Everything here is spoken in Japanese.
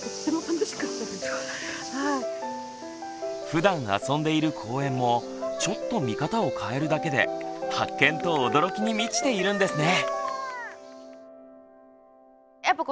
ふだんあそんでいる公園もちょっと見方を変えるだけで発見と驚きに満ちているんですね。